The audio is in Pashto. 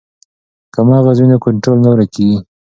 که مغز وي نو کنټرول نه ورکیږي.